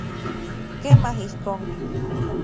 Kema, ijkon.